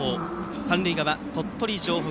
三塁側、鳥取城北。